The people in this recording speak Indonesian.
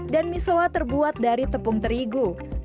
dan miso'a terbuat dari tepung terigu